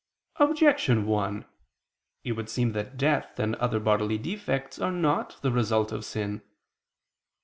Objection 1: It would seem that death and other bodily defects are not the result of sin.